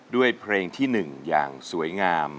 ด้วยเพลงที่๑อย่างสวยงาม